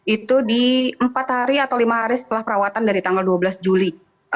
itu di empat hari atau lima hari setelah perawatan dari tanggal dua belas juli